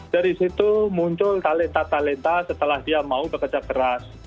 dari situ muncul talenta talenta setelah dia mau bekerja keras